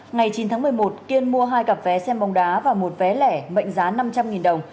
ngày chín tháng một mươi một kiên mua hai cặp vé xem bóng đá và một vé lẻ mệnh giá năm trăm linh đồng